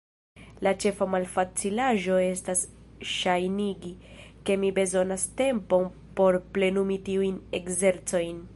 La ĉefa malfacilaĵo estas ŝajnigi ke mi bezonas tempon por plenumi tiujn ekzercojn.